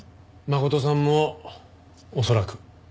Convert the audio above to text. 真琴さんも恐らく。